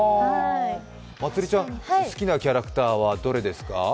まつりちゃん、好きなキャラクターはどれですか？